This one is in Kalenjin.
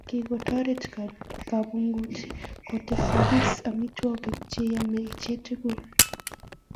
Kikotoret kapungui kotesakis amitwogik che yomei chiitugul